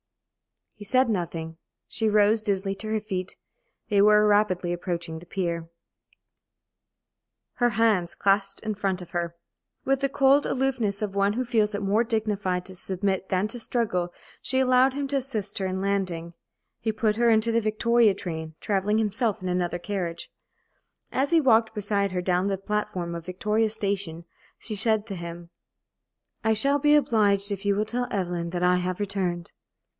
He said nothing. She rose, dizzily, to her feet. They were rapidly approaching the pier. [Illustration: "HER HANDS CLASPED IN FRONT OF HER"] With the cold aloofness of one who feels it more dignified to submit than to struggle, she allowed him to assist her in landing. He put her into the Victoria train, travelling himself in another carriage. As he walked beside her down the platform of Victoria Station, she said to him: "I shall be obliged if you will tell Evelyn that I have returned."